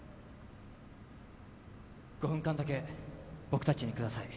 ５分間だけ僕たちにください